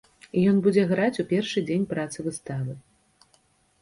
Ён будзе граць у першы дзень працы выставы.